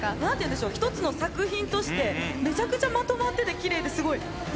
山之内さん、なんていうんでしょう、一つの作品としてめちゃくちゃまとまってて、きれいですごい。